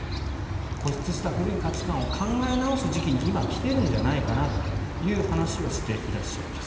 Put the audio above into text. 固執した古い価値観を考え直す時期に今、来ているんじゃないかなという話をしていらっしゃいます。